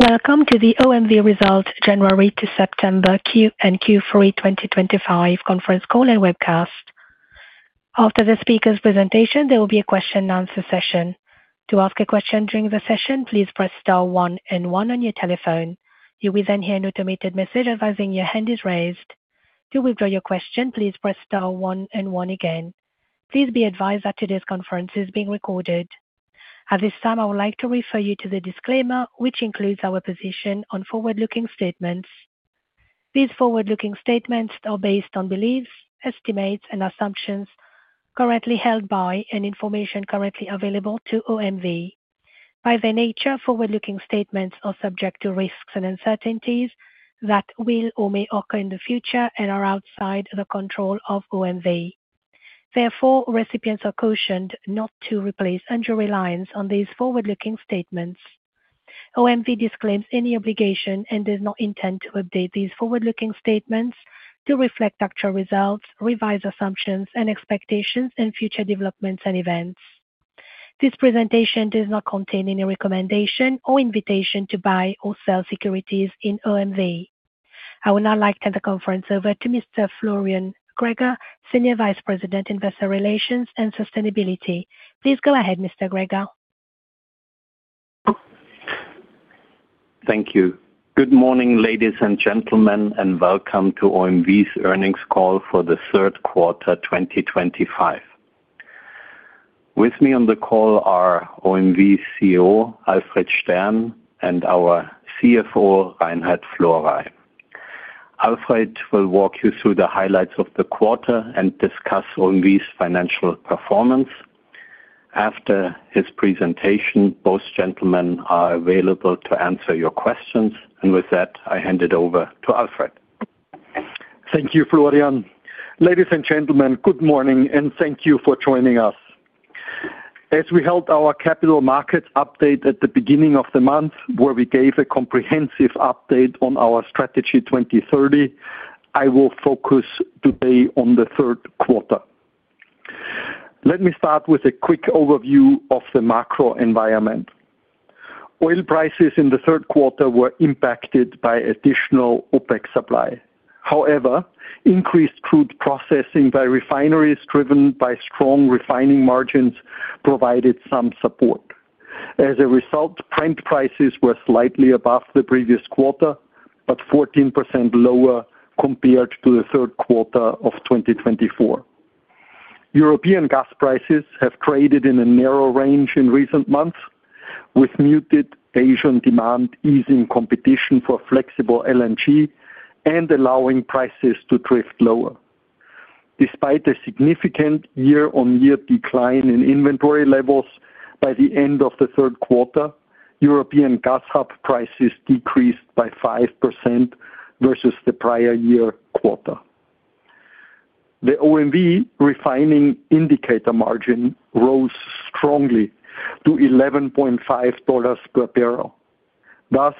Welcome to the OMV Results January to September Q3 2025 conference call and webcast. After the speaker's presentation, there will be a question and answer session. To ask a question during the session, please press star one and one on your telephone. You will then hear an automated message advising your hand is raised. To withdraw your question, please press star one and one again. Please be advised that today's conference is being recorded. At this time, I would like to refer you to the disclaimer, which includes our position on forward-looking statements. These forward-looking statements are based on beliefs, estimates, and assumptions currently held by and information currently available to OMV. By their nature, forward-looking statements are subject to risks and uncertainties that will or may occur in the future and are outside the control of OMV. Therefore, recipients are cautioned not to replace and to rely on these forward-looking statements. OMV disclaims any obligation and does not intend to update these forward-looking statements to reflect actual results, revise assumptions, and expectations in future developments and events. This presentation does not contain any recommendation or invitation to buy or sell securities in OMV. I would now like to hand the conference over to Mr. Florian Greger, Senior Vice President, Investor Relations and Sustainability. Please go ahead, Mr. Greger. Thank you. Good morning, ladies and gentlemen, and welcome to OMV's earnings call for the third quarter 2025. With me on the call are OMV's CEO, Alfred Stern, and our CFO, Reinhard Florey. Alfred will walk you through the highlights of the quarter and discuss OMV's financial performance. After his presentation, both gentlemen are available to answer your questions. With that, I hand it over to Alfred. Thank you, Florian. Ladies and gentlemen, good morning, and thank you for joining us. As we held our capital markets update at the beginning of the month, where we gave a comprehensive update on our Strategy 2030, I will focus today on the third quarter. Let me start with a quick overview of the macro environment. Oil prices in the third quarter were impacted by additional OPEC supply. However, increased crude processing by refineries driven by strong refining margins provided some support. As a result, Brent prices were slightly above the previous quarter, but 14% lower compared to the third quarter of European gas prices have traded in a narrow range in recent months, with muted Asian demand easing competition for flexible LNG and allowing prices to drift lower. Despite a significant year-on-year decline in inventory levels, by the end of the third European gas hub prices decreased by 5% versus the prior year quarter. The OMV refining indicator margin rose strongly to $11.5 per barrel. Thus,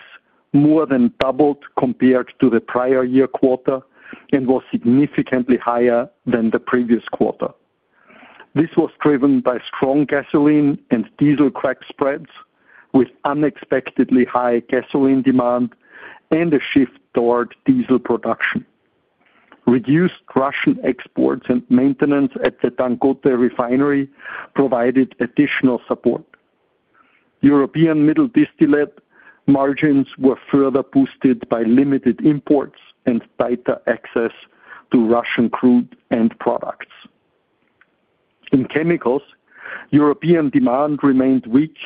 more than doubled compared to the prior year quarter and was significantly higher than the previous quarter. This was driven by strong gasoline and diesel crack spreads, with unexpectedly high gasoline demand and a shift toward diesel production. Reduced Russian exports and maintenance at the [Dangote] refinery provided additional support. European middle distillate margins were further boosted by limited imports and tighter access to Russian crude and products. In European demand remained weak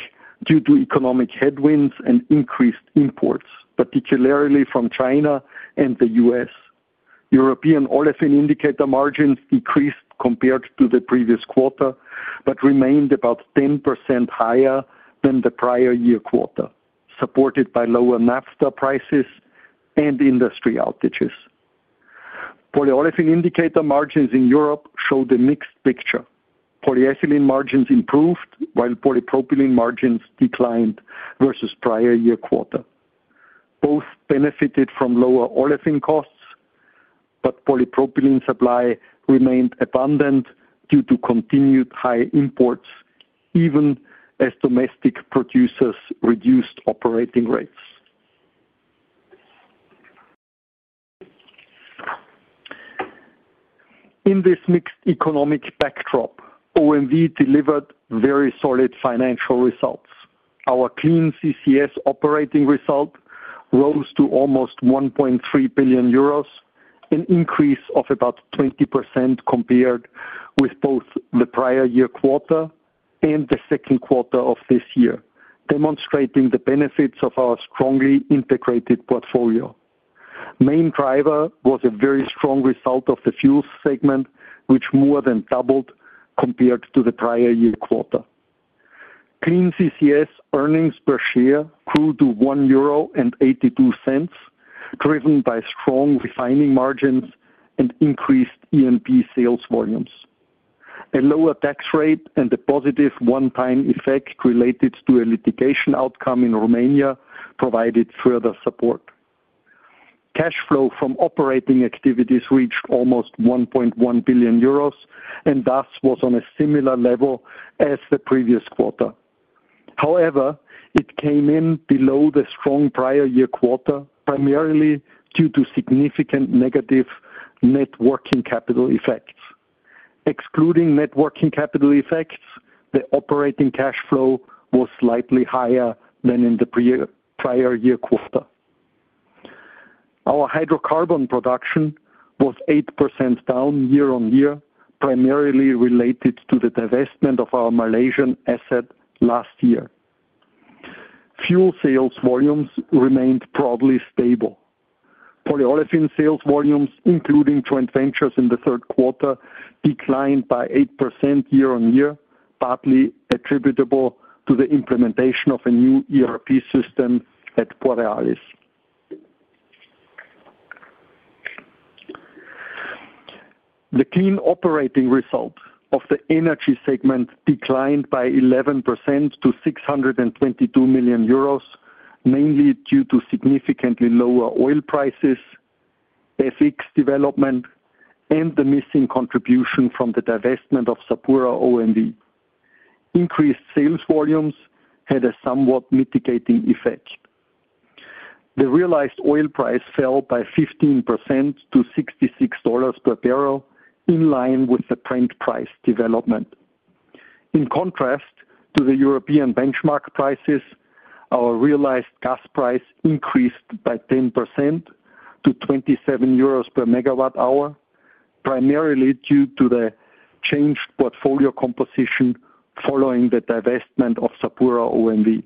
due to economic headwinds and increased imports, particularly from China and the U.S. European olefin indicator margins decreased compared to the previous quarter, but remained about 10% higher than the prior year quarter, supported by lower naphtha prices and industry outages. Polyolefin indicator margins in Europe showed a mixed picture. Polyethylene margins improved, while polypropylene margins declined versus prior year quarter. Both benefited from lower olefin costs, but polypropylene supply remained abundant due to continued high imports, even as domestic producers reduced operating rates. In this mixed economic backdrop, OMV delivered very solid financial results. Our Clean CCS operating result rose to almost 1.3 billion euros, an increase of about 20% compared with both the prior year quarter and the second quarter of this year, demonstrating the benefits of our strongly integrated portfolio. The main driver was a very strong result of the fuels segment, which more than doubled compared to the prior year quarter. Clean CCS earnings per share grew to 1.82 euro, driven by strong refining margins and increased E&P sales volumes. A lower tax rate and a positive one-time effect related to a litigation outcome in Romania provided further support. Cash flow from operating activities reached almost 1.1 billion euros and thus was on a similar level as the previous quarter. However, it came in below the strong prior year quarter, primarily due to significant negative net working capital effects. Excluding net working capital effects, the operating cash flow was slightly higher than in the prior year quarter. Our hydrocarbon production was 8% down year-on-year, primarily related to the divestment of our Malaysian asset last year. Fuels sales volumes remained broadly stable. Polyolefin sales volumes, including joint ventures in the third quarter, declined by 8% year-on-year, partly attributable to the implementation of a new ERP system at Borealis. The clean operating result of the energy segment declined by 11% to 622 million euros, mainly due to significantly lower oil prices, FX development, and the missing contribution from the divestment of SapuraOMV. Increased sales volumes had a somewhat mitigating effect. The realized oil price fell by 15% to $66 per barrel, in line with the print price development. In contrast to European benchmark prices, our realized gas price increased by 10% to 27 euros per megawatt-hour, primarily due to the changed portfolio composition following the divestment of SapuraOMV.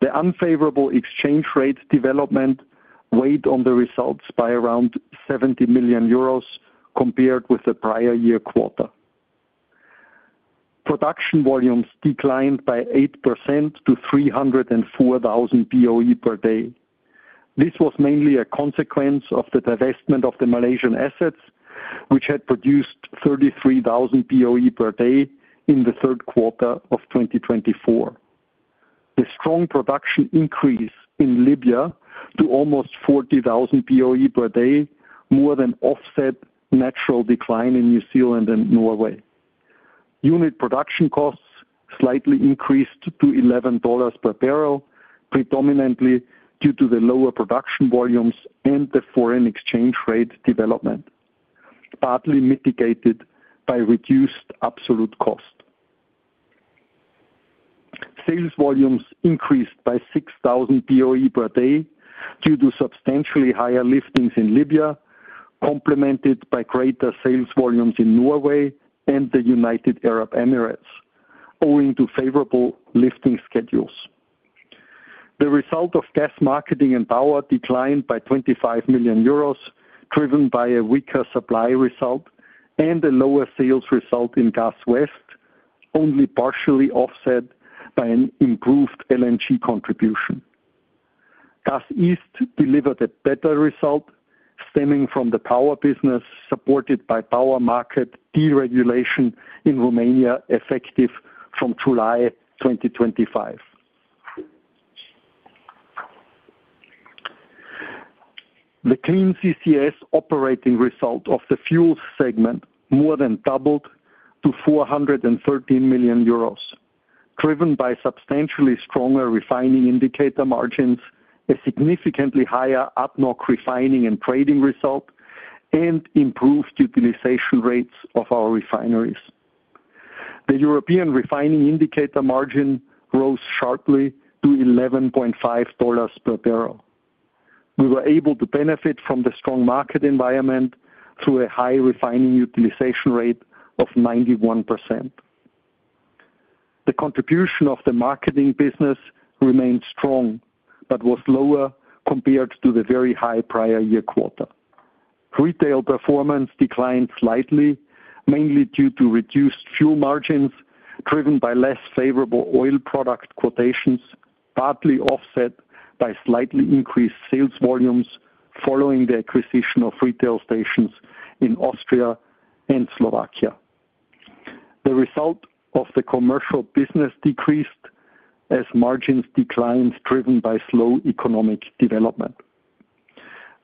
The unfavorable exchange rate development weighed on the results by around 70 million euros compared with the prior year quarter. Production volumes declined by 8% to 304,000 BOE per day. This was mainly a consequence of the divestment of the Malaysian assets, which had produced 33,000 BOE per day in the third quarter of 2024. The strong production increase in Libya to almost 40,000 BOE per day more than offset natural decline in New Zealand and Norway. Unit production costs slightly increased to $11 per barrel, predominantly due to the lower production volumes and the foreign exchange rate development, partly mitigated by reduced absolute cost. Sales volumes increased by 6,000 BOE per day due to substantially higher liftings in Libya, complemented by greater sales volumes in Norway and the United Arab Emirates, owing to favorable lifting schedules. The result of gas marketing and power declined by 25 million euros, driven by a weaker supply result and a lower sales result in Gas West, only partially offset by an improved LNG contribution. Gas East delivered a better result stemming from the power business supported by power market deregulation in Romania effective from July 2025. The clean CCS operating result of the fuel segment more than doubled to 413 million euros, driven by substantially stronger refining indicator margins, a significantly higher ADNOC Refining and trading result, and improved utilization rates of our refineries. European refining indicator margin rose sharply to $11.5 per barrel. We were able to benefit from the strong market environment through a high refining utilization rate of 91%. The contribution of the marketing business remained strong but was lower compared to the very high prior year quarter. Retail performance declined slightly, mainly due to reduced fuel margins driven by less favorable oil product quotations, partly offset by slightly increased sales volumes following the acquisition of retail stations in Austria and Slovakia. The result of the commercial business decreased as margins declined, driven by slow economic development.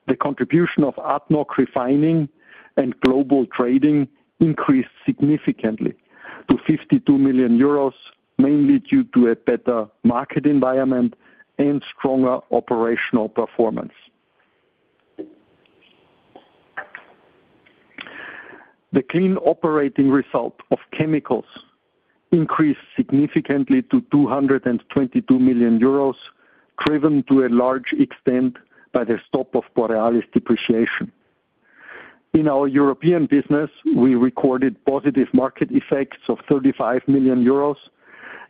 The contribution of ADNOC Refining and global trading increased significantly to 52 million euros, mainly due to a better market environment and stronger operational performance. The clean operating result of chemicals increased significantly to 222 million euros, driven to a large extent by the stop of Borealis depreciation. In European business, we recorded positive market effects of 35 million euros,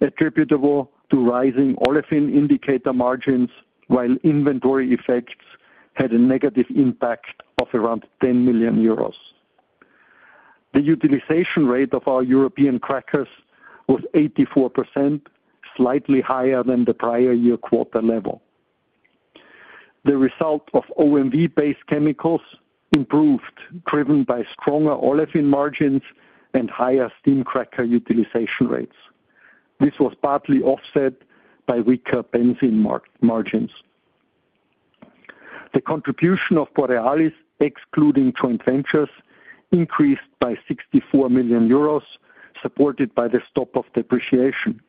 attributable to rising olefin indicator margins, while inventory effects had a negative impact of around 10 million euros. The utilization rate of European crackers was 84%, slightly higher than the prior year quarter level. The result of OMV-based chemicals improved, driven by stronger olefin margins and higher steam cracker utilization rates. This was partly offset by weaker benzene margins. The contribution of Borealis, excluding joint ventures, increased by 64 million euros, supported by the stop of depreciation.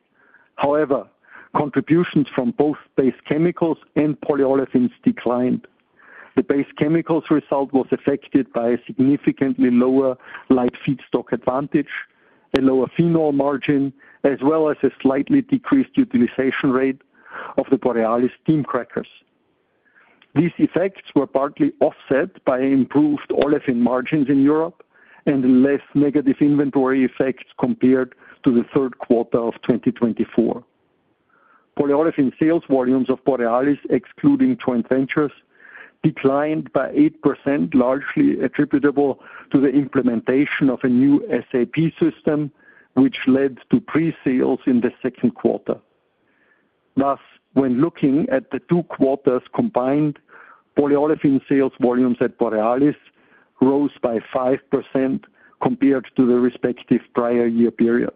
However, contributions from both base chemicals and polyolefins declined. The base chemicals result was affected by a significantly lower light feedstock advantage, a lower phenol margin, as well as a slightly decreased utilization rate of the Borealis steam crackers. These effects were partly offset by improved olefin margins in Europe and less negative inventory effects compared to the third quarter of 2024. Polyolefin sales volumes of Borealis, excluding joint ventures, declined by 8%, largely attributable to the implementation of a new ERP system, which led to pre-sales in the second quarter. Thus, when looking at the two quarters combined, polyolefin sales volumes at Borealis rose by 5% compared to the respective prior year period.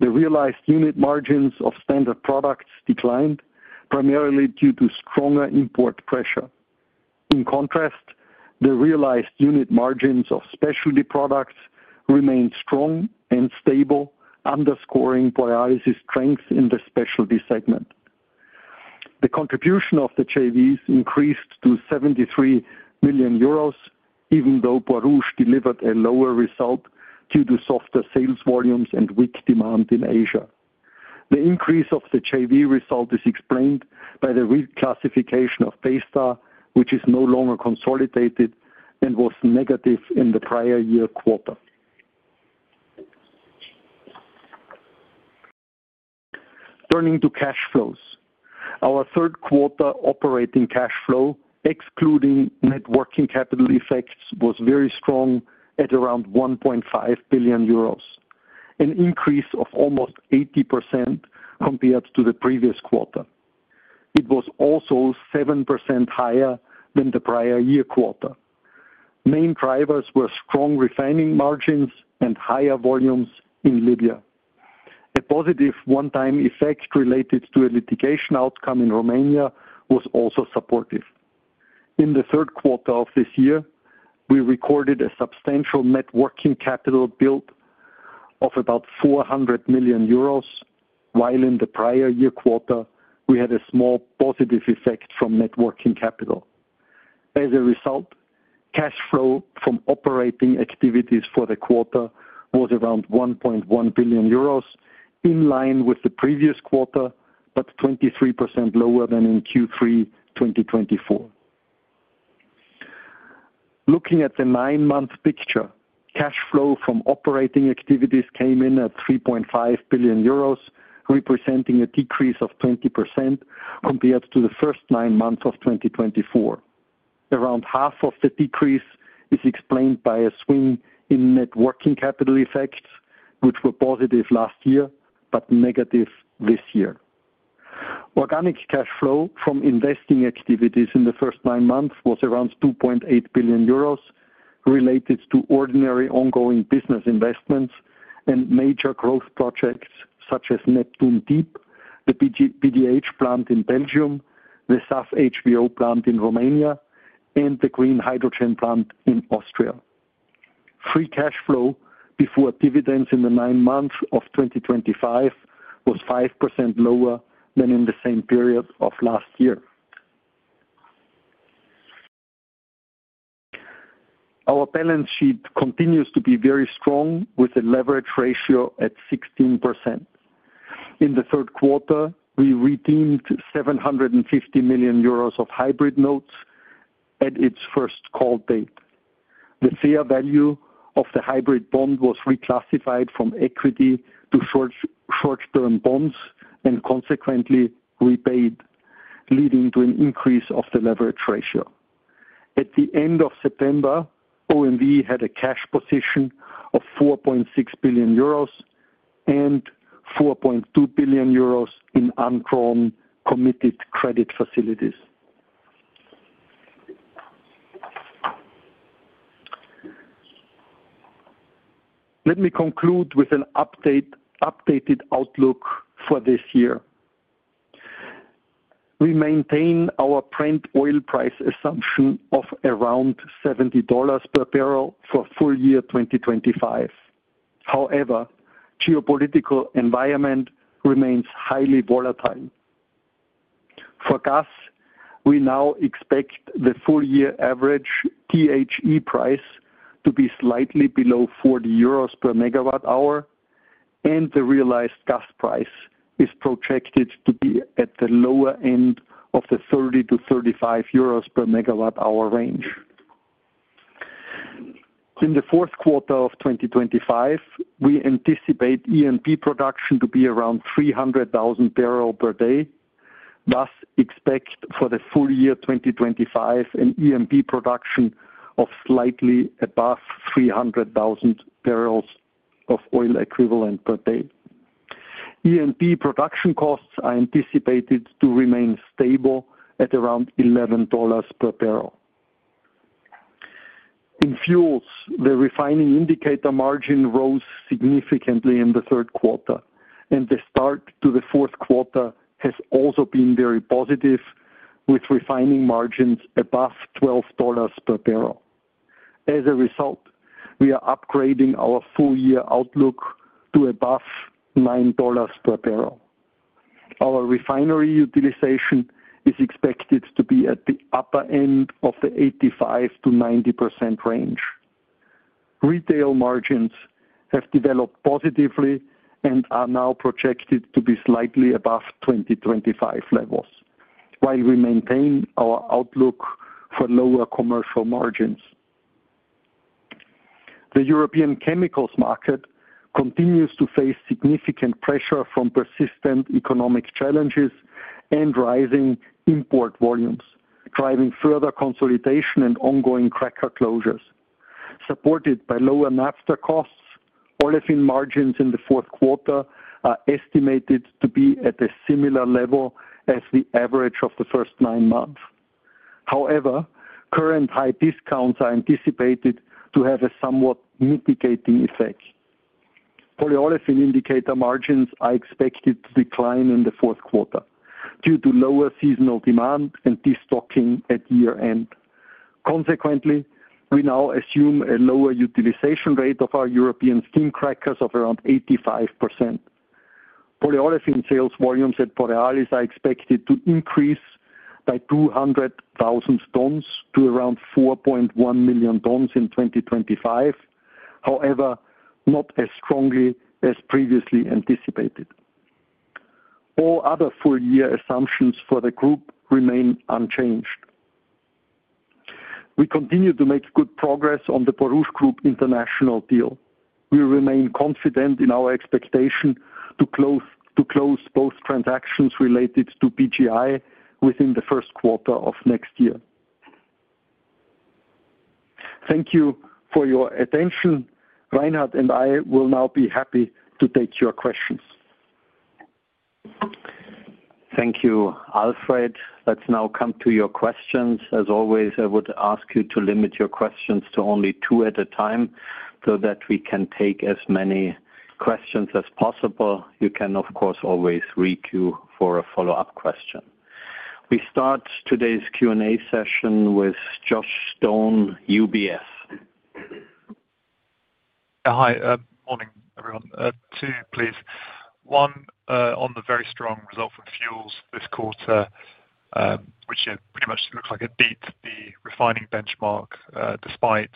The realized unit margins of standard products declined, primarily due to stronger import pressure. In contrast, the realized unit margins of specialty products remained strong and stable, underscoring Borealis's strength in the specialty segment. The contribution of [the JV] increased to 73 million euros, even though Borouge delivered a lower result due to softer sales volumes and weak demand in Asia. The increase of the JV result is explained by the reclassification of Baystar, which is no longer consolidated and was negative in the prior year quarter. Turning to cash flows, our third quarter operating cash flow, excluding net working capital effects, was very strong at around 1.5 billion euros, an increase of almost 80% compared to the previous quarter. It was also 7% higher than the prior year quarter. Main drivers were strong refining margins and higher volumes in Libya. A positive one-time effect related to a litigation outcome in Romania was also supportive. In the third quarter of this year, we recorded a substantial net working capital build of about 400 million euros, while in the prior year quarter, we had a small positive effect from net working capital. As a result, cash flow from operating activities for the quarter was around 1.1 billion euros, in line with the previous quarter, but 23% lower than in Q3 2024. Looking at the nine-month picture, cash flow from operating activities came in at 3.5 billion euros, representing a decrease of 20% compared to the first nine months of 2024. Around half of the decrease is explained by a swing in net working capital effects, which were positive last year but negative this year. Organic cash flow from investing activities in the first nine months was around 2.8 billion euros, related to ordinary ongoing business investments and major growth projects such as Neptun Deep, the PDH plant in Belgium, the SAF/HVO plant in Romania, and the green hydrogen plant in Austria. Free cash flow before dividends in the nine months of 2025 was 5% lower than in the same period of last year. Our balance sheet continues to be very strong with a leverage ratio at 16%. In the third quarter, we redeemed 750 million euros of hybrid notes at its first call date. The fair value of the hybrid bond was reclassified from equity to short-term bonds and consequently repaid, leading to an increase of the leverage ratio. At the end of September, OMV had a cash position of 4.6 billion euros and 4.2 billion euros in uncommitted committed credit facilities. Let me conclude with an updated outlook for this year. We maintain our Brent oil price assumption of around $70 per barrel for full year 2025. However, the geopolitical environment remains highly volatile. For gas, we now expect the full year average THE price to be slightly below 40 euros per megawatt-hour and the realized gas price is projected to be at the lower end of the 30-35 euros per megawatt-hour range. In the fourth quarter of 2025, we anticipate E&P production to be around 300,000 barrels per day. Thus expect for the full year 2025 an E&P production of slightly above 300,000 barrels of oil equivalent per day. E&P production costs are anticipated to remain stable at around $11 per barrel. In fuels, the refining indicator margin rose significantly in the third quarter and the start to the fourth quarter has also been very positive, with refining margins above $12 per barrel. As a result, we are upgrading our full year outlook to above $9 per barrel. Our refinery utilization is expected to be at the upper end of the 85%-90% range. Retail margins have developed positively and are now projected to be slightly above 2025 levels, while we maintain our outlook for lower commercial margins. European chemicals market continues to face significant pressure from persistent economic challenges and rising import volumes, driving further consolidation and ongoing cracker closures. Supported by lower naphtha costs, olefin margins in the fourth quarter are estimated to be at a similar level as the average of the first nine months. However, current high discounts are anticipated to have a somewhat mitigating effect. Polyolefin indicator margins are expected to decline in the fourth quarter due to lower seasonal demand and destocking at year-end. Consequently, we now assume a lower utilization rate of European steam crackers of around 85%. Polyolefin sales volumes at Borealis are expected to increase by 200,000 tons to around 4.1 million tons in 2025, however, not as strongly as previously anticipated. All other full year assumptions for the group remain unchanged. We continue to make good progress on the Borouge Group International deal. We remain confident in our expectation to close both transactions related to PGI within the first quarter of next year. Thank you for your attention. Reinhard and I will now be happy to take your questions. Thank you, Alfred. Let's now come to your questions. As always, I would ask you to limit your questions to only two at a time, so that we can take as many questions as possible. You can, of course, always queue for a follow-up question. We start today's Q&A session with Josh Stone, UBS. Hi, good morning, everyone. Two, please. One on the very strong result from fuels this quarter, which pretty much looks like it beats the refining benchmark despite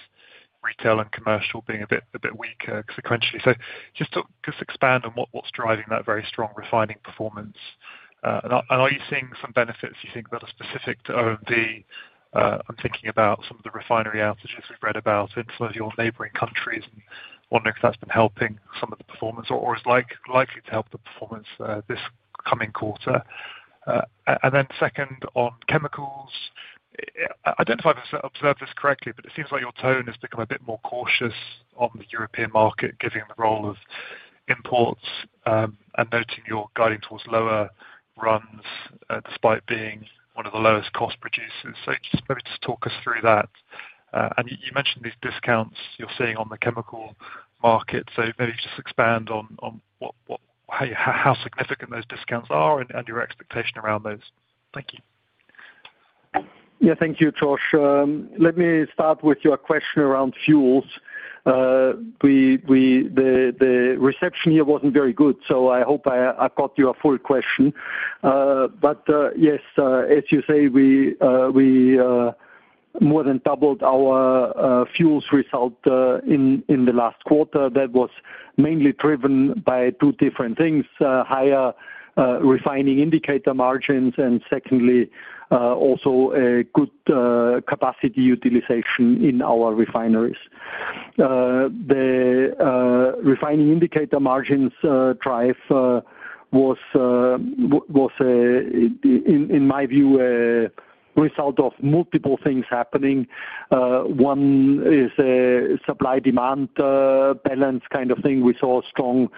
retail and commercial being a bit weaker sequentially. Just expand on what's driving that very strong refining performance. Are you seeing some benefits you think that are specific to OMV? I'm thinking about some of the refinery outages we've read about in some of your neighboring countries and wondering if that's been helping some of the performance or is likely to help the performance this coming quarter. Second, on chemicals, I don't know if I've observed this correctly, but it seems like your tone has become a bit more cautious on European market, given the role of imports and noting you're guiding towards lower runs despite being one of the lowest cost producers. Maybe just talk us through that. You mentioned these discounts you're seeing on the chemical market. Maybe you just expand on how significant those discounts are and your expectation around those. Thank you. Yeah, thank you, Josh. Let me start with your question around fuels. The reception here wasn't very good, so I hope I got your full question. Yes, as you say, we more than doubled our fuels result in the last quarter. That was mainly driven by two different things: higher refining indicator margins and, secondly, also a good capacity utilization in our refineries. The refining indicator margins drive was, in my view, a result of multiple things happening. One is a supply-demand balance kind of thing. We saw a strong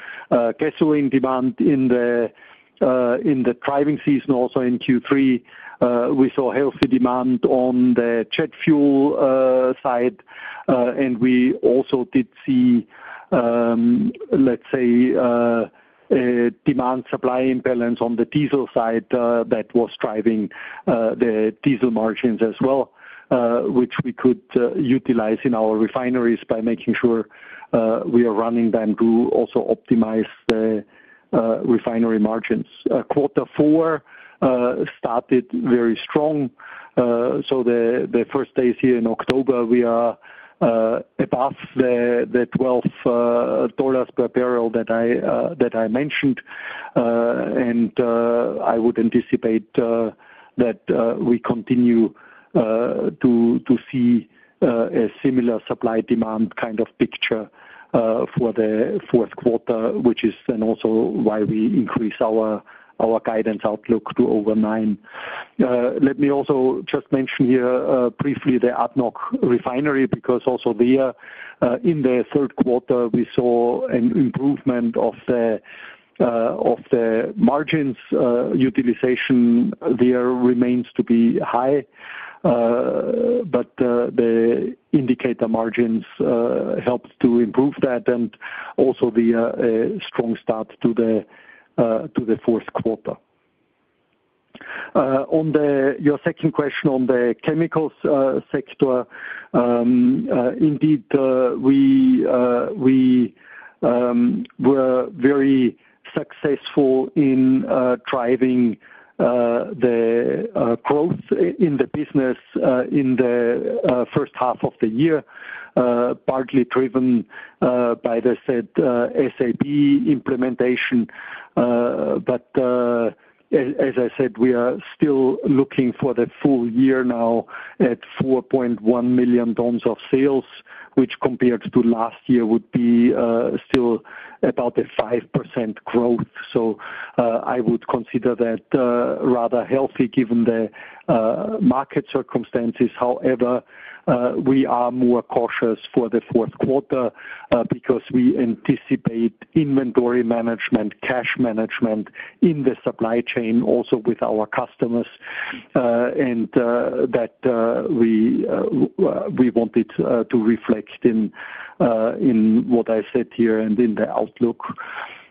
gasoline demand in the driving season, also in Q3. We saw healthy demand on the jet fuel side. We also did see, let's say, a demand-supply imbalance on the diesel side that was driving the diesel margins as well, which we could utilize in our refineries by making sure we are running them to also optimize the refinery margins. Quarter four started very strong. The first days here in October, we are above the $12 per barrel that I mentioned. I would anticipate that we continue to see a similar supply-demand kind of picture for the fourth quarter, which is then also why we increase our guidance outlook to over nine. Let me also just mention here briefly the ADNOC Refining because also there, in the third quarter, we saw an improvement of the margins utilization. There remains to be high, but the indicator margins helped to improve that and also the strong start to the fourth quarter. On your second question on the chemicals sector, indeed, we were very successful in driving the growth in the business in the first half of the year, partly driven by the said SAP implementation. As I said, we are still looking for the full year now at 4.1 million tons of sales, which compared to last year would be still about a 5% growth. I would consider that rather healthy given the market circumstances. However, we are more cautious for the fourth quarter because we anticipate inventory management, cash management in the supply chain, also with our customers, and that we wanted to reflect in what I said here and in the outlook.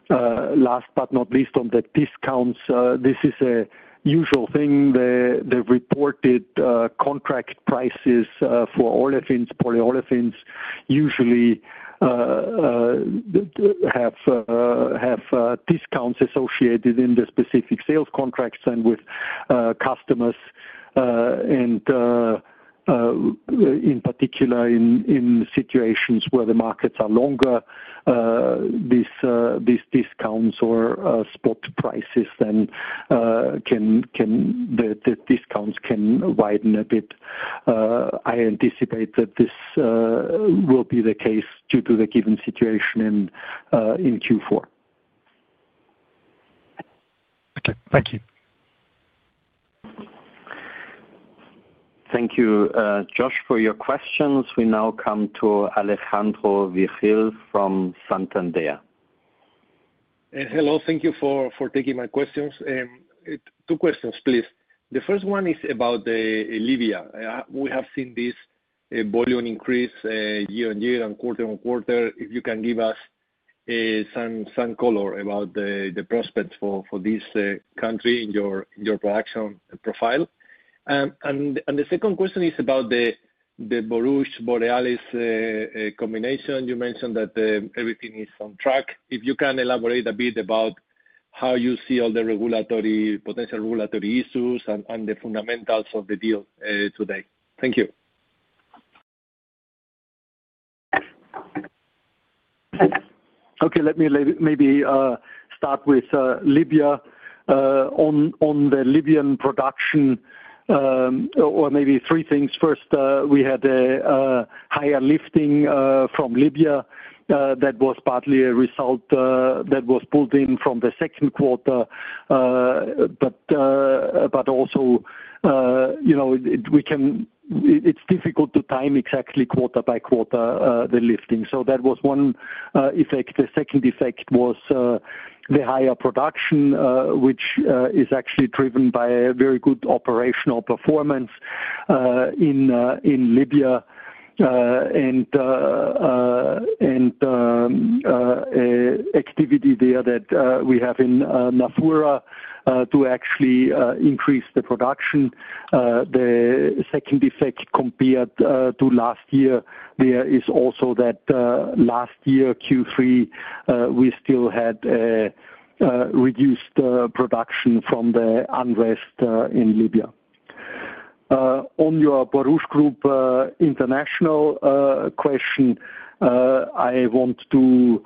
Last but not least, on the discounts, this is a usual thing. The reported contract prices for olefins, polyolefins usually have discounts associated in the specific sales contracts and with customers. In particular, in situations where the markets are longer, these discounts or spot prices, then the discounts can widen a bit. I anticipate that this will be the case due to the given situation in Q4. Okay, thank you. Thank you, Josh, for your questions. We now come to Alejandro Vigil from Santander. Hello. Thank you for taking my questions. Two questions, please. The first one is about Libya. We have seen this volume increase year-on-year and quarter on quarter. If you can give us some color about the prospects for this country in your production profile. The second question is about the Borouge-Borealis combination. You mentioned that everything is on track. If you can elaborate a bit about how you see all the regulatory, potential regulatory issues and the fundamentals of the deal today. Thank you. Okay, let me maybe start with Libya on the Libyan production, or maybe three things. First, we had a higher lifting from Libya that was partly a result that was pulled in from the second quarter. Also, you know, it's difficult to time exactly quarter by quarter the lifting. That was one effect. The second effect was the higher production, which is actually driven by a very good operational performance in Libya and activity there that we have in Nafoora to actually increase the production. The second effect compared to last year there is also that last year, Q3, we still had a reduced production from the unrest in Libya. On your Borouge Group International question, I want to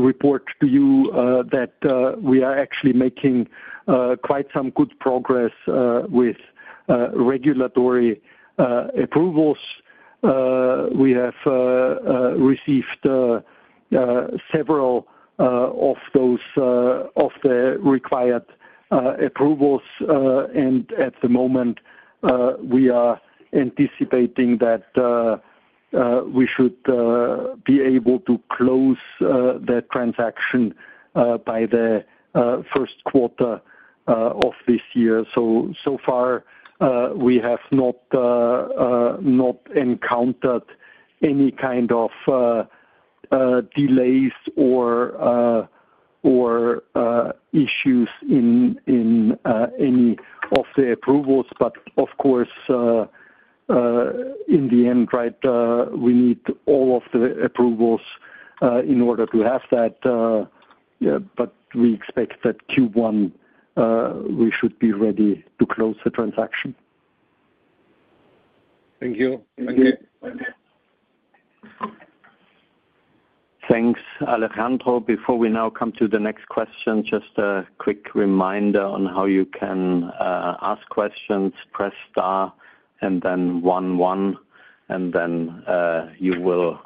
report to you that we are actually making quite some good progress with regulatory approvals. We have received several of those required approvals, and at the moment, we are anticipating that we should be able to close that transaction by the first quarter of this year. So far, we have not encountered any kind of delays or issues in any of the approvals. Of course, in the end, right, we need all of the approvals in order to have that. We expect that Q1, we should be ready to close the transaction. Thank you. Thanks, Alejandro. Before we now come to the next question, just a quick reminder on how you can ask questions: press star, and then one, one, and then you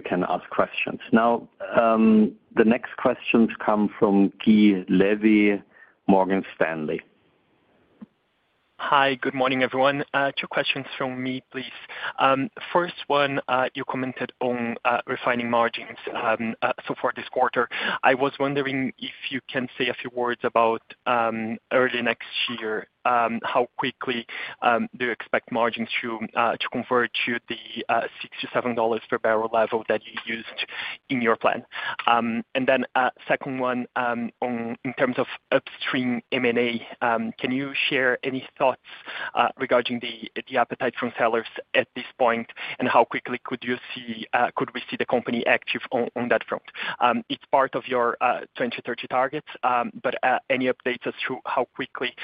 can ask questions. Now, the next questions come from Gui Levy, Morgan Stanley. Hi, good morning, everyone. Two questions from me, please. First one, you commented on refining margins so far this quarter. I was wondering if you can say a few words about early next year, how quickly do you expect margins to convert to the $67 per barrel level that you used in your plan? In terms of upstream M&A, can you share any thoughts regarding the appetite from sellers at this point and how quickly could we see the company active on that front? It's part of your 2030 targets, but any updates as to how quickly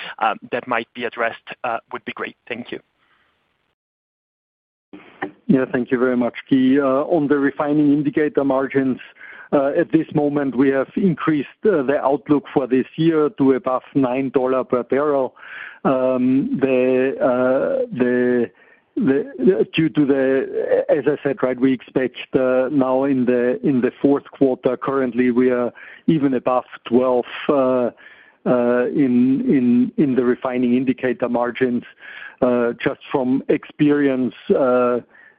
that might be addressed would be great. Thank you. Yeah, thank you very much, Gui. On the refining indicator margins, at this moment, we have increased the outlook for this year to above $9 per barrel. As I said, right, we expect now in the fourth quarter, currently, we are even above $12 in the refining indicator margins. Just from experience,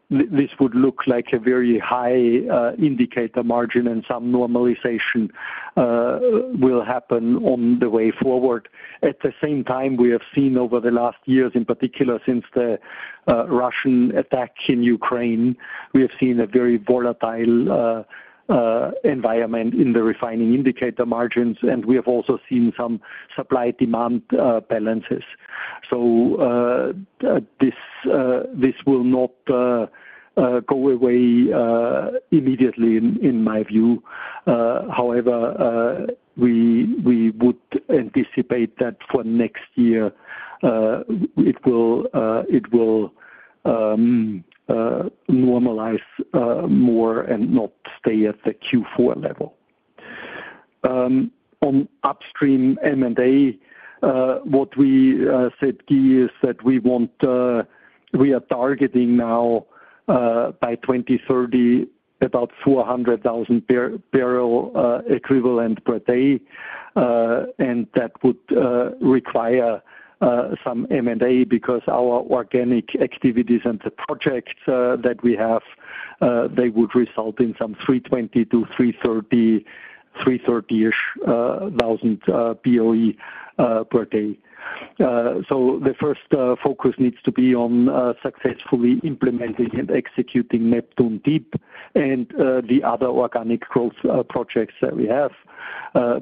this would look like a very high indicator margin, and some normalization will happen on the way forward. At the same time, we have seen over the last years, in particular since the Russian attack in Ukraine, we have seen a very volatile environment in the refining indicator margins, and we have also seen some supply-demand balances. This will not go away immediately, in my view. However, we would anticipate that for next year, it will normalize more and not stay at the Q4 level. On upstream M&A, what we said, Gui, is that we are targeting now by 2030 about 400,000 barrel equivalent per day, and that would require some M&A because our organic activities and the projects that we have, they would result in some 320,000-330,000-ish BOE per day. The first focus needs to be on successfully implementing and executing Neptun Deep and the other organic growth projects that we have.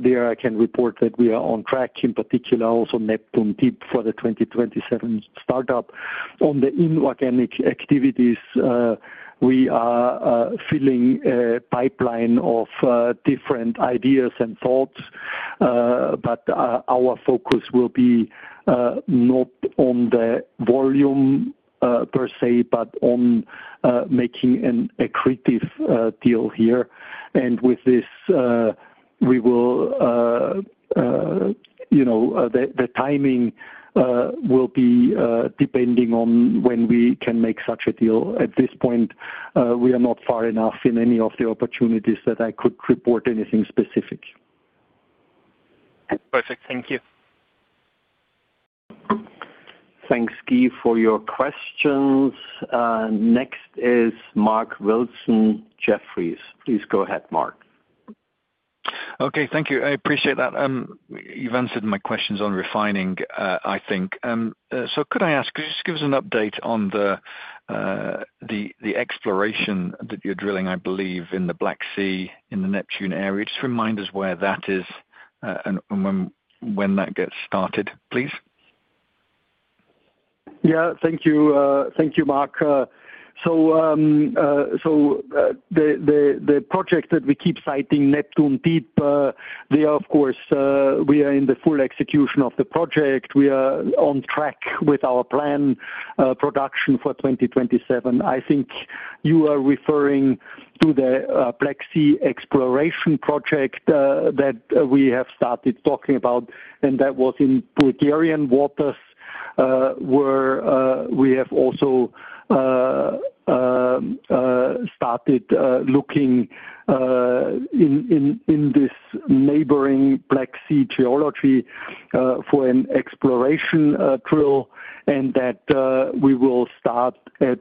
There, I can report that we are on track, in particular also Neptun Deep for the 2027 startup. On the inorganic activities, we are filling a pipeline of different ideas and thoughts, but our focus will be not on the volume per se, but on making an accretive deal here. With this, the timing will be depending on when we can make such a deal. At this point, we are not far enough in any of the opportunities that I could report anything specific. Perfect. Thank you. Thanks, Gui, for your questions. Next is Mark Wilson Jefferies. Please go ahead, Mark. Okay, thank you. I appreciate that. You've answered my questions on refining, I think. Could I ask, could you just give us an update on the exploration that you're drilling, I believe, in the Black Sea in the Neptun area? Just remind us where that is and when that gets started, please. Thank you, Mark. The project that we keep citing, Neptun Deep, we are in the full execution of the project. We are on track with our planned production for 2027. I think you are referring to the Black Sea exploration project that we have started talking about, and that was in Bulgarian waters where we have also started looking in this neighboring Black Sea geology for an exploration drill. We will start that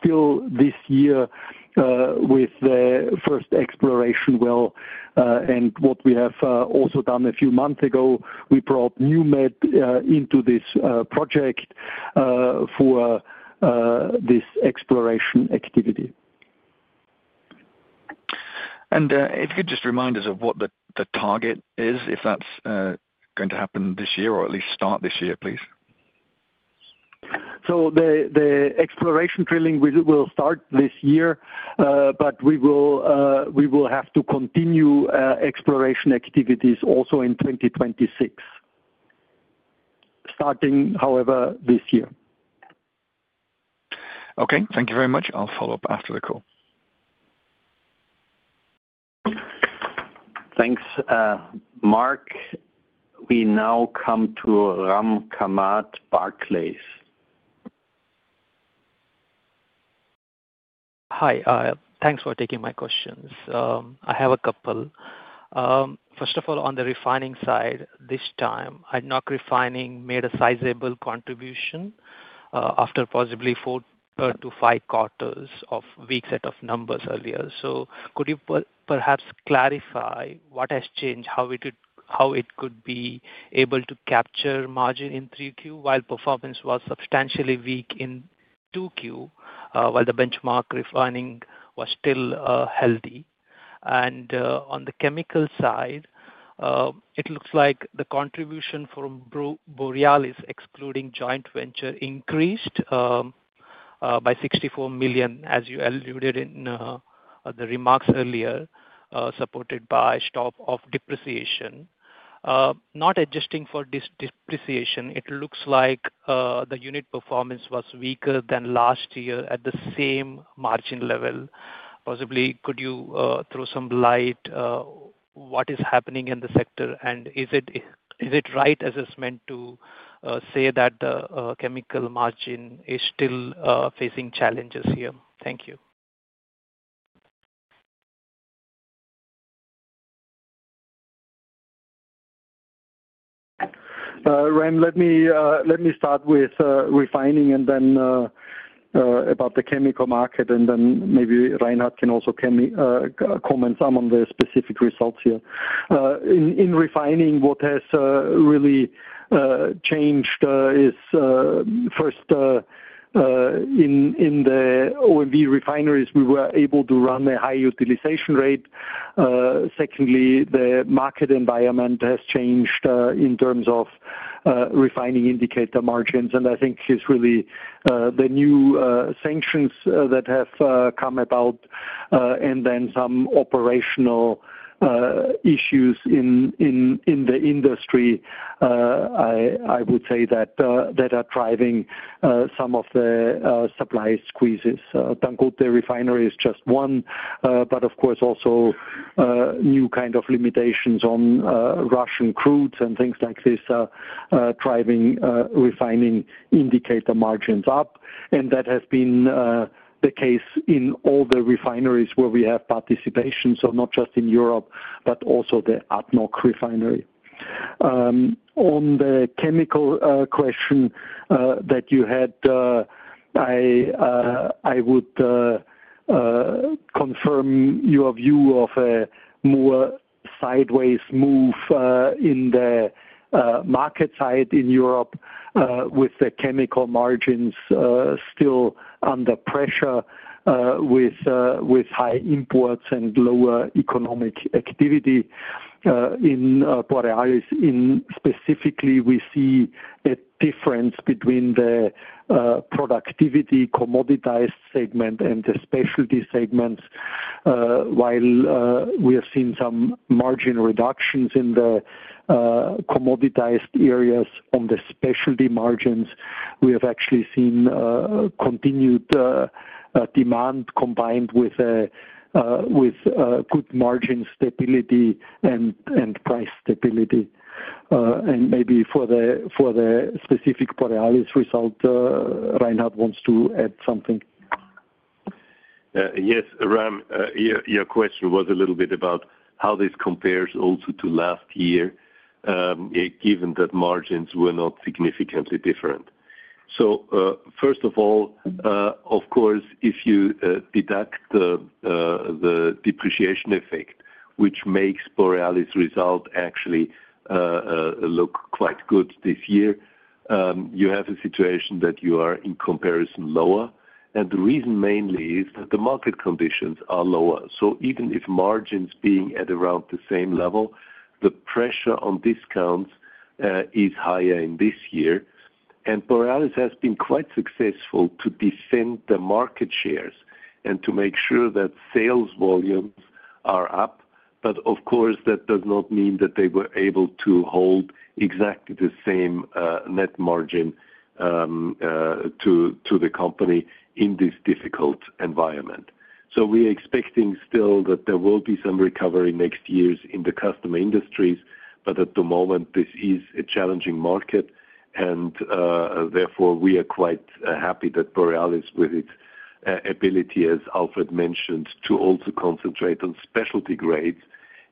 still this year with the first exploration well. What we have also done a few months ago, we brought NewMed into this project for this exploration activity. Could you just remind us of what the target is, if that's going to happen this year or at least start this year, please? Exploration drilling will start this year, but we will have to continue exploration activities also in 2026, starting, however, this year. Okay, thank you very much. I'll follow up after the call. Thanks, Mark. We now come to Ram Kamath, Barclays. Hi, thanks for taking my questions. I have a couple. First of all, on the refining side, this time, ADNOC Refining made a sizable contribution after possibly four to five quarters of weak set of numbers earlier. Could you perhaps clarify what has changed, how it could be able to capture margin in 3Q while performance was substantially weak in 2Q while the benchmark refining was still healthy? On the chemical side, it looks like the contribution from Borealis, excluding joint venture, increased by $64 million, as you alluded in the remarks earlier, supported by stop of depreciation. Not adjusting for this depreciation, it looks like the unit performance was weaker than last year at the same margin level. Possibly, could you throw some light on what is happening in the sector and is it right as it's meant to say that the chemical margin is still facing challenges here? Thank you. Ram, let me start with refining and then about the chemical market, and then maybe Reinhard can also comment some on the specific results here. In refining, what has really changed is first, in the OMV refineries, we were able to run a high utilization rate. Secondly, the market environment has changed in terms of refining indicator margins. I think it's really the new sanctions that have come about and then some operational issues in the industry, I would say, that are driving some of the supply squeezes. Dangote Refinery is just one, but of course, also new kind of limitations on Russian crudes and things like this are driving refining indicator margins up. That has been the case in all the refineries where we have participation, so not just in Europe, but also the ADNOC Refining. On the chemical question that you had, I would confirm your view of a more sideways move in the market side in Europe with the chemical margins still under pressure with high imports and lower economic activity. In Borealis, specifically, we see a difference between the productivity commoditized segment and the specialty segments. While we have seen some margin reductions in the commoditized areas, on the specialty margins, we have actually seen continued demand combined with good margin stability and price stability. Maybe for the specific Borealis result, Reinhard wants to add something. Yes, Ram, your question was a little bit about how this compares also to last year, given that margins were not significantly different. First of all, of course, if you deduct the depreciation effect, which makes Borealis result actually look quite good this year, you have a situation that you are in comparison lower. The reason mainly is that the market conditions are lower. Even if margins are being at around the same level, the pressure on discounts is higher in this year. Borealis has been quite successful to defend the market shares and to make sure that sales volumes are up. Of course, that does not mean that they were able to hold exactly the same net margin to the company in this difficult environment. We are expecting still that there will be some recovery next year in the customer industries. At the moment, this is a challenging market. Therefore, we are quite happy that Borealis, with its ability, as Alfred mentioned, to also concentrate on specialty grades,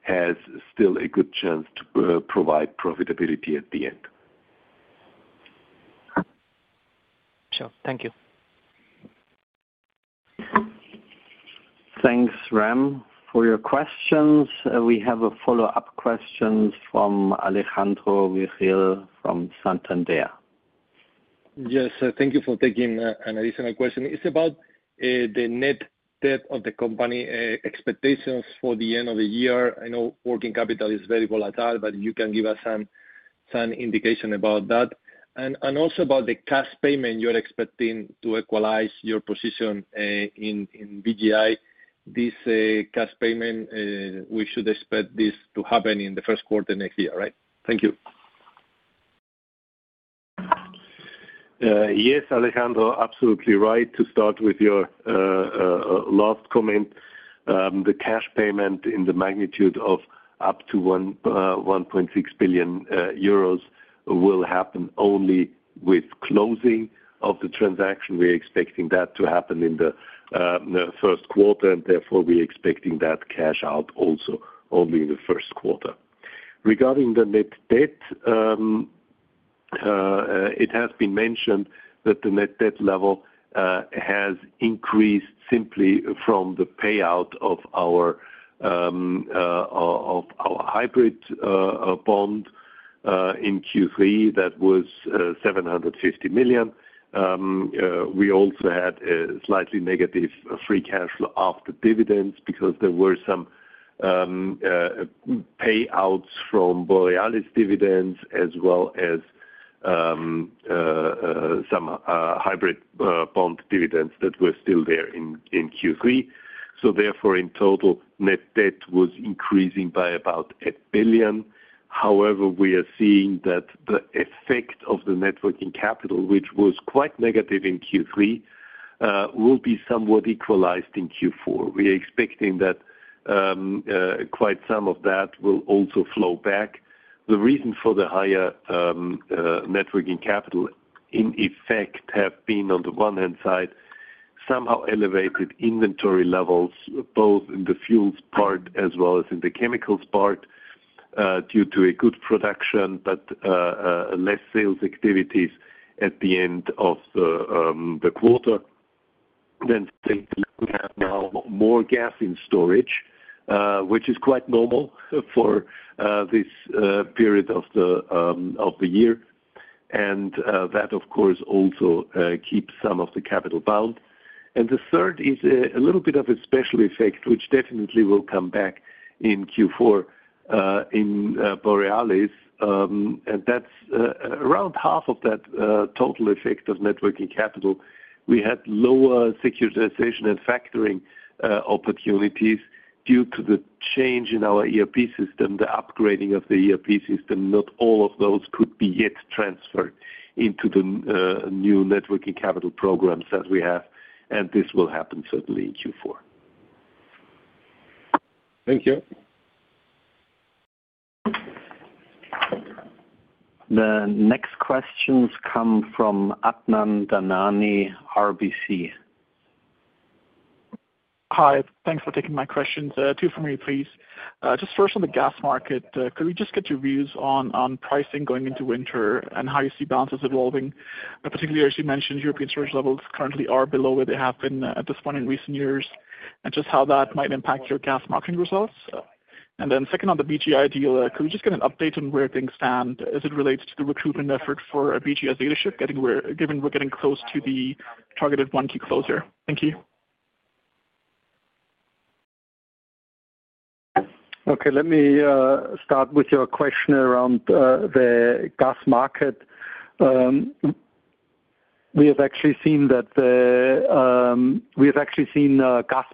has still a good chance to provide profitability at the end. Sure. Thank you. Thanks, Ram, for your questions. We have a follow-up question from Alejandro Vigil from Santander. Yes, thank you for taking an additional question. It's about the net debt of the company, expectations for the end of the year. I know working capital is very volatile, but you can give us an indication about that. Also, about the cash payment you're expecting to equalize your position in BGI. This cash payment, we should expect this to happen in the first quarter next year, right? Thank you. Yes, Alejandro, absolutely right. To start with your last comment, the cash payment in the magnitude of up to 1.6 billion euros will happen only with closing of the transaction. We are expecting that to happen in the first quarter, and therefore, we are expecting that cash out also only in the first quarter. Regarding the net debt, it has been mentioned that the net debt level has increased simply from the payout of our hybrid bond in Q3. That was 750 million. We also had a slightly negative free cash flow after dividends because there were some payouts from Borealis dividends as well as some hybrid bond dividends that were still there in Q3. Therefore, in total, net debt was increasing by about 8 billion. However, we are seeing that the effect of the net working capital, which was quite negative in Q3, will be somewhat equalized in Q4. We are expecting that quite some of that will also flow back. The reason for the higher net working capital, in effect, has been, on the one-hand side, somehow elevated inventory levels, both in the fuels part as well as in the chemicals part, due to a good production, but less sales activities at the end of the quarter. We have now more gas in storage, which is quite normal for this period of the year. That, of course, also keeps some of the capital bound. The third is a little bit of a special effect, which definitely will come back in Q4 in Borealis. That is around half of that total effect of net working capital. We had lower securitization and factoring opportunities due to the change in our ERP system, the upgrading of the ERP system. Not all of those could be yet transferred into the new net working capital programs that we have. This will happen certainly in Q4. Thank you. The next questions come from Adnan Dhanani, RBC. Hi, thanks for taking my questions. Two from me, please. First on the gas market, could we just get your views on pricing going into winter and how you see balances evolving? Particularly, as you mention European storage levels currently are below where they have been at this point in recent years and how that might impact your gas marketing results. Second on the BGI deal, could we just get an update on where things stand as it relates to the recruitment effort for BGI's leadership, given we're getting close to the targeted 1Q closure? Thank you. Okay, let me start with your question around the gas market. We have actually seen gas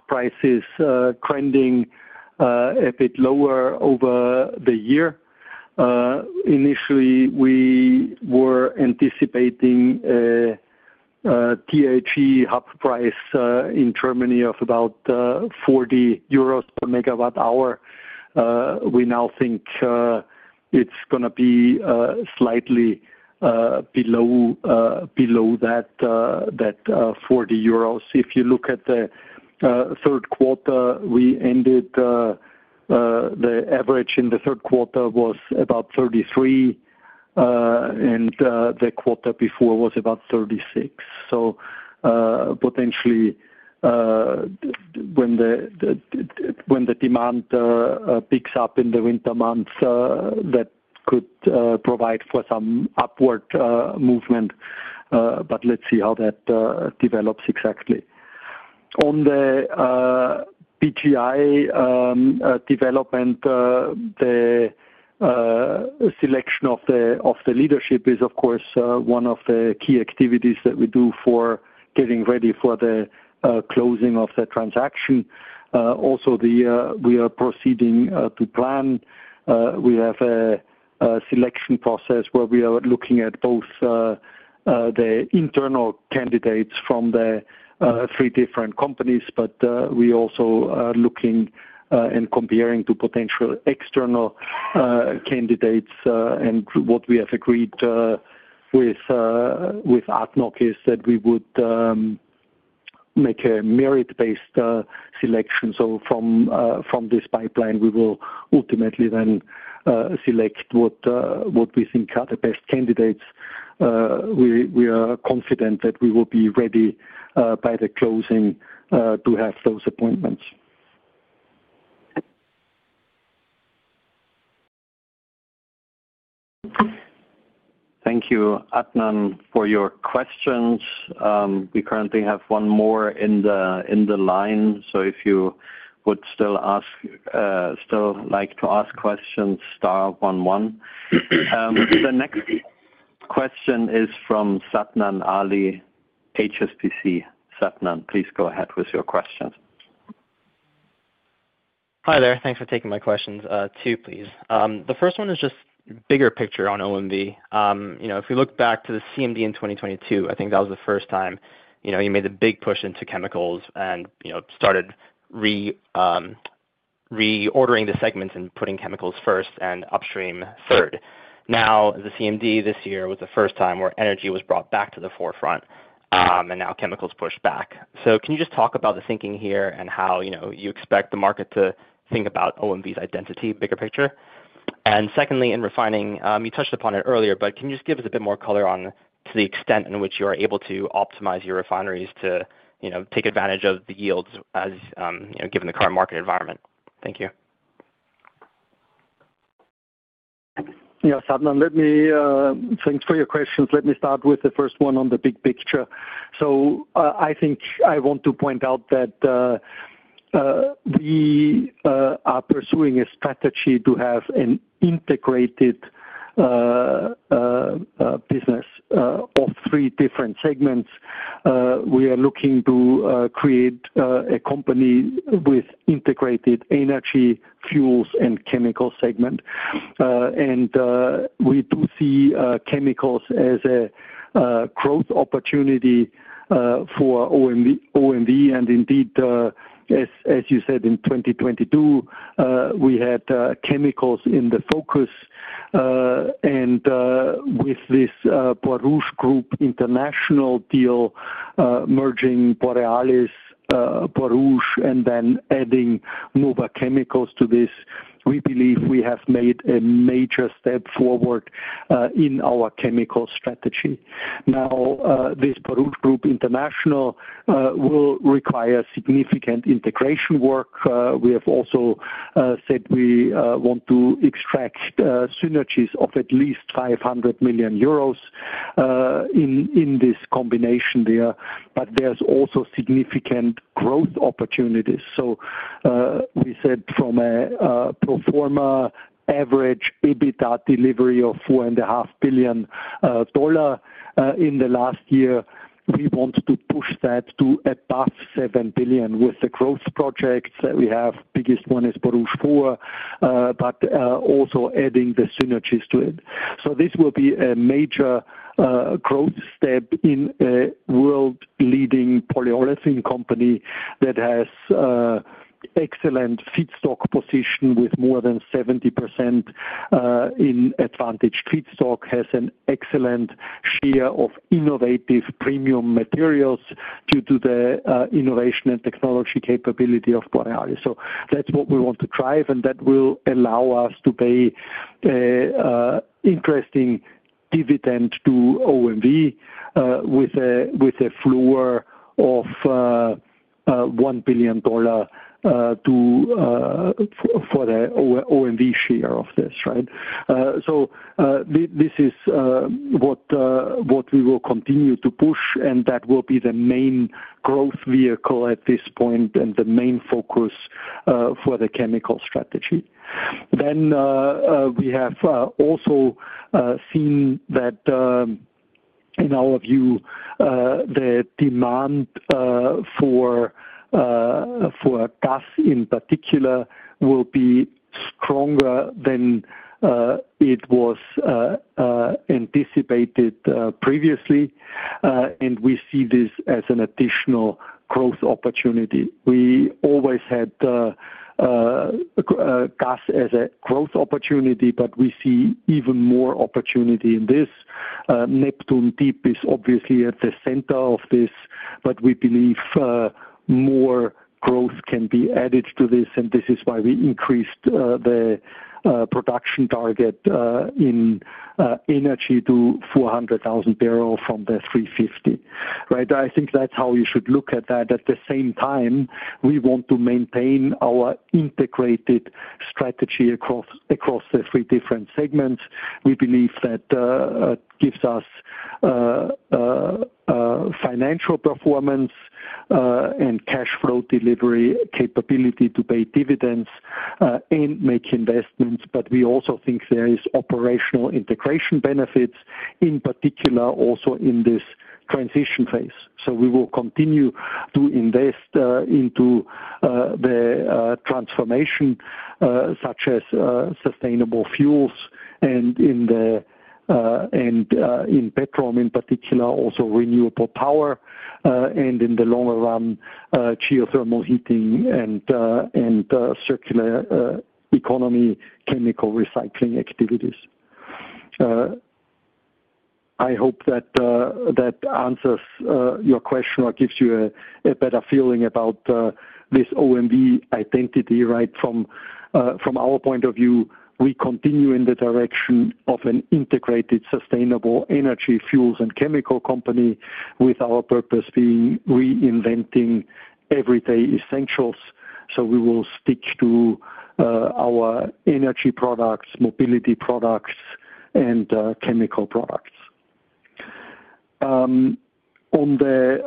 prices trending a bit lower over the year. Initially, we were anticipating a THE [half] price in Germany of about 40 euros per megawatt-hour. We now think it's going to be slightly below that 40 euros. If you look at the third quarter, the average in the third quarter was about 33, and the quarter before was about 36. Potentially, when the demand picks up in the winter months, that could provide for some upward movement. Let's see how that develops exactly. On the BGI development, the selection of the leadership is, of course, one of the key activities that we do for getting ready for the closing of the transaction. We are proceeding to plan. We have a selection process where we are looking at both the internal candidates from the three different companies, but we also are looking and comparing to potential external candidates. What we have agreed with ADNOC is that we would make a merit-based selection. From this pipeline, we will ultimately then select what we think are the best candidates. We are confident that we will be ready by the closing to have those appointments. Thank you, Adnan, for your questions. We currently have one more in the line. If you would still like to ask questions, star up on one. The next question is from Sadnan Ali, HSBC. Sadnan, please go ahead with your question. Hi there. Thanks for taking my questions, two, please. The first one is just a bigger picture on OMV. You know, if we look back to the CMD in 2022, I think that was the first time you made the big push into chemicals and started reordering the segments and putting chemicals first and upstream third. The CMD this year was the first time where energy was brought back to the forefront and now chemicals pushed back. Can you just talk about the thinking here and how you expect the market to think about OMV's identity, bigger picture? Secondly, in refining, you touched upon it earlier, but can you just give us a bit more color on to the extent in which you are able to optimize your refineries to take advantage of the yields given the current market environment? Thank you. Yeah, Sadnan, thanks for your questions. Let me start with the first one on the big picture. I think I want to point out that we are pursuing a strategy to have an integrated business of three different segments. We are looking to create a company with integrated energy, fuels, and chemical segment. We do see chemicals as a growth opportunity for OMV. Indeed, as you said, in 2022, we had chemicals in the focus. With this Borouge Group International deal, merging Borealis, Borouge, and then adding Nova Chemicals to this, we believe we have made a major step forward in our chemical strategy. Now, this Borouge Group International will require significant integration work. We have also said we want to extract synergies of at least 500 million euros in this combination there. There are also significant growth opportunities. We said from a pro forma average EBITDA delivery of $4.5 billion in the last year, we want to push that to above $7 billion with the growth projects. The biggest one is Borouge 4, but also adding the synergies to it. This will be a major growth step in a world-leading polyolefin company that has an excellent feedstock position with more than 70% in advantaged feedstock, has an excellent share of innovative premium materials due to the innovation and technology capability of Borealis. That's what we want to drive, and that will allow us to pay an interesting dividend to OMV with a floor of $1 billion for the OMV share of this, right? This is what we will continue to push, and that will be the main growth vehicle at this point and the main focus for the chemical strategy. We have also seen that in our view, the demand for gas in particular will be stronger than it was anticipated previously. We see this as an additional growth opportunity. We always had gas as a growth opportunity, but we see even more opportunity in this. Neptun Deep is obviously at the center of this, but we believe more growth can be added to this. This is why we increased the production target in energy to 400,000 barrel from the 350, right? I think that's how you should look at that. At the same time, we want to maintain our integrated strategy across the three different segments. We believe that gives us financial performance and cash flow delivery capability to pay dividends and make investments. We also think there are operational integration benefits, in particular also in this transition phase. We will continue to invest into the transformation such as sustainable fuels and in petroleum, in particular also renewable power, and in the longer run, geothermal heating and circular economy chemical recycling activities. I hope that answers your question or gives you a better feeling about this OMV identity, right? From our point of view, we continue in the direction of an integrated sustainable energy fuels and chemical company with our purpose being reinventing everyday essentials. We will stick to our energy products, mobility products, and chemical products. On the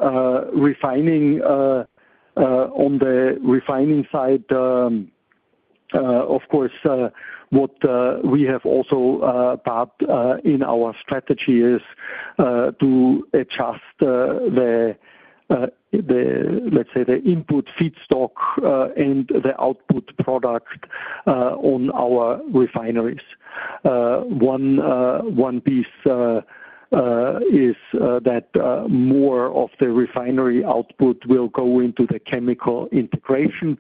refining side, of course, what we have also part in our strategy is to adjust the, let's say, the input feedstock and the output product on our refineries. One piece is that more of the refinery output will go into the chemical integration.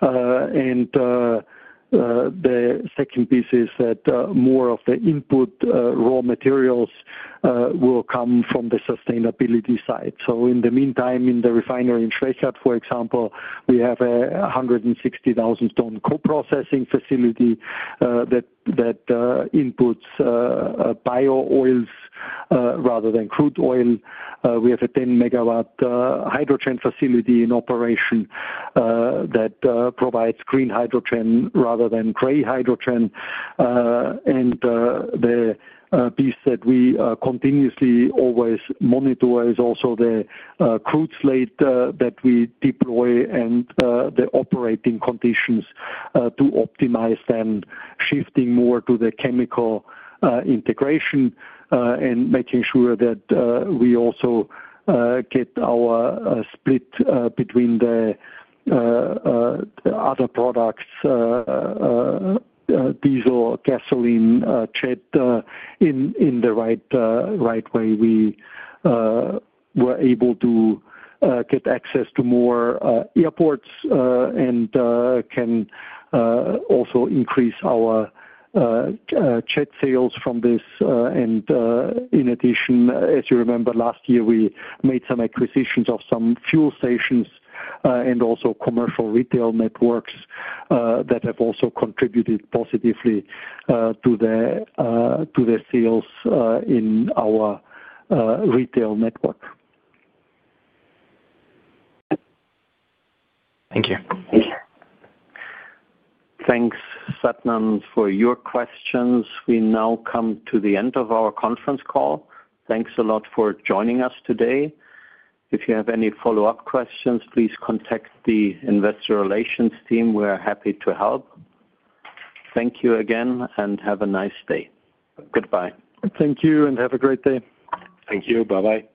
The second piece is that more of the input raw materials will come from the sustainability side. In the meantime, in the refinery in Schwechat, for example, we have a 160,000 ton co-processing facility that inputs bio-oils rather than crude oil. We have a 10 MW hydrogen facility in operation that provides green hydrogen rather than gray hydrogen. The piece that we continuously always monitor is also the crude slate that we deploy and the operating conditions to optimize them, shifting more to the chemical integration and making sure that we also get our split between the other products, diesel, gasoline, jet in the right way. We were able to get access to more airports and can also increase our jet sales from this. In addition, as you remember, last year, we made some acquisitions of some fuel stations and also commercial retail networks that have also contributed positively to the sales in our retail network. Thank you. Thanks, Sadnan, for your questions. We now come to the end of our conference call. Thanks a lot for joining us today. If you have any follow-up questions, please contact the Investor Relations team. We are happy to help. Thank you again and have a nice day. Goodbye. Thank you and have a great day. Thank you. Bye-bye.